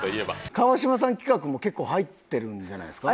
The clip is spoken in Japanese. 川島さん企画も結構入ってるんじゃないですか？